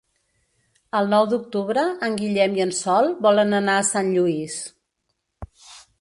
El nou d'octubre en Guillem i en Sol volen anar a Sant Lluís.